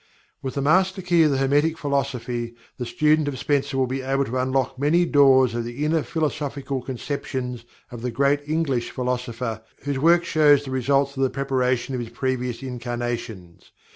With the Master Key of the Hermetic Philosophy, the student of Spencer will be able to unlock many doors of the inner philosophical conceptions of the great English philosopher, whose work shows the results of the preparation of his previous incarnations.